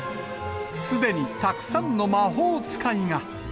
すでにたくさんの魔法使いが。